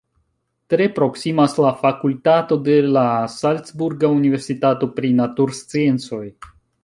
Tre proksimas la fakultato de la salcburga universitato pri natursciencoj.